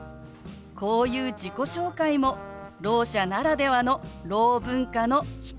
こういう自己紹介もろう者ならではのろう文化の一つなんです。